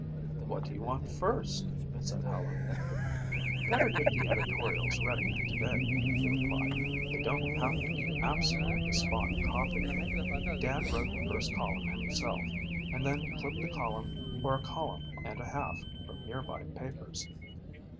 "What do you want first?" said Helen. "Better get the editorials ready today," he replied. "They don't have to be absolutely spot copy. Dad wrote the first column himself and then clipped a column or a column and a half from nearby papers."